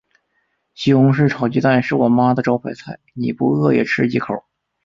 西红柿炒鸡蛋是我妈的招牌菜，你不饿也吃几口。